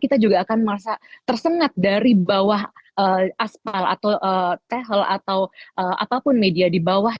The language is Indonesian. kita juga akan merasa tersengat dari bawah aspal atau tehel atau apapun media di bawah